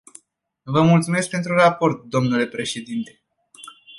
Vă mulțumesc pentru raport, dle președinte.